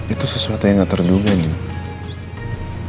itu sesuatu yang gak terduga nih